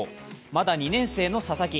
まだ２年生の佐々木。